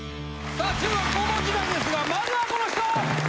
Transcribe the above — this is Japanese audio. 中学・高校時代ですがまずはこの人！